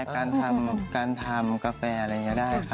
การทำกาแฟอะไรเงี้ยได้